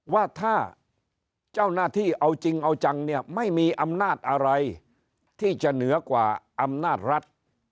ว่าถ้าเจ้าหน้าที่เอาจริงเอาจังเนี่ยไม่มีอำนาจอะไรที่จะเหนือกว่าอำนาจรัฐ